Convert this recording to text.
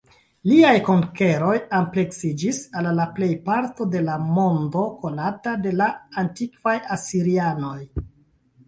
Liaj konkeroj ampleksiĝis al la plejparto de la mondo konata de la antikvaj asirianoj.